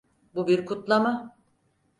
Bu bir kutlama.